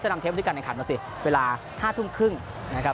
นำเทปด้วยการแข่งขันมาสิเวลา๕ทุ่มครึ่งนะครับ